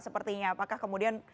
sepertinya apakah kemudian